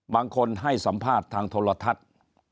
บางคนให้สัมภาษณ์ทางโทรทัศน์